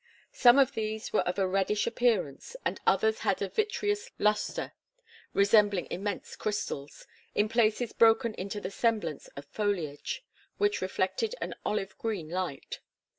Some of these were of a reddish appearance, and others had a vitreous lustre, resembling immense crystals, in places broken into the semblance of foliage, which reflected an olive green light.